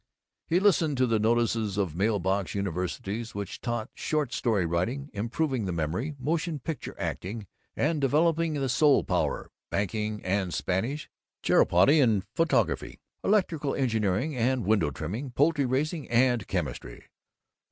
He listened to the notices of mail box universities which taught Short story Writing and Improving the Memory, Motion picture acting and Developing the Soul power, Banking and Spanish, Chiropody and Photography, Electrical Engineering and Window trimming, Poultry raising and Chemistry.